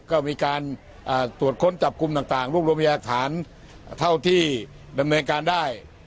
ก็มีการตรวจค้นจับกลุ่มต่างรวบรวมพยาฐานเท่าที่ดำเนินการได้